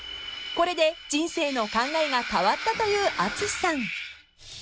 ［これで人生の考えが変わったという淳さん］